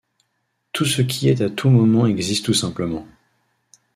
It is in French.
Tout ce qui est à tout moment existe tout simplement.